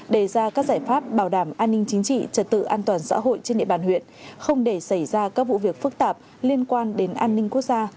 đề ra các giải pháp bảo đảm an ninh chính trị trật tự an toàn xã hội trên địa bàn huyện không để xảy ra các vụ việc phức tạp liên quan đến an ninh quốc gia